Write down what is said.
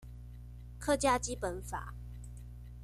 客家基本法